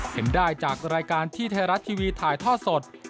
เห็นได้จากรายการที่ไทยรัฐทีวีถ่ายทอดสด